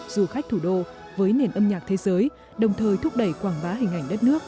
du khách thủ đô với nền âm nhạc thế giới đồng thời thúc đẩy quảng bá hình ảnh đất nước